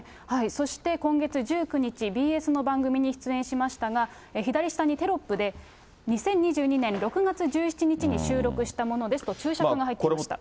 そして今月１９日、ＢＳの番組に出演しましたが、左下にテロップで、２０２２年６月１７日に収録したものですと注釈が入っていました。